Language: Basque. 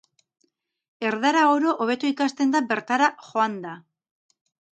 Erdara oro hobeto ikasten da bertara joanda.